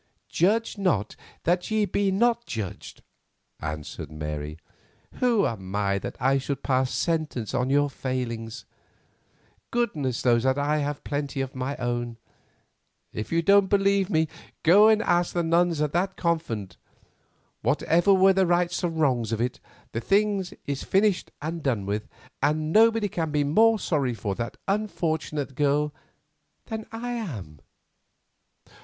"Judge not, that ye be not judged," answered Mary. "Who am I that I should pass sentence on your failings? Goodness knows that I have plenty of my own; if you don't believe me, go and ask the nuns at that convent. Whatever were the rights and wrongs of it, the thing is finished and done with, and nobody can be more sorry for that unfortunate girl than I am.